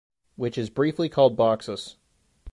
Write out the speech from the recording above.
Which is briefly called Bachsas.